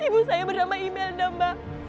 ibu saya bernama imel dong mbak